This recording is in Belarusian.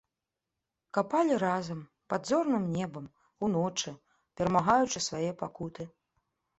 Капалі разам, пад зорным небам, уночы, перамагаючы свае пакуты.